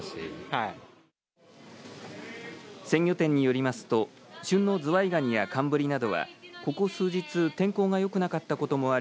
鮮魚店によりますと旬のズワイガニや寒ぶりなどはここ数日、天候がよくなったこともあり